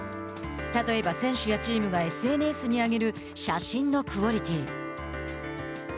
例えば、選手やチームがＳＮＳに上げる写真のクオリティー。